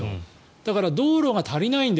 だから道路が足りないので。